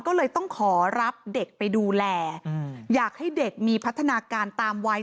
ก็เลยต้องขอรับเด็กไปดูแลอยากให้เด็กมีพัฒนาการตามไว้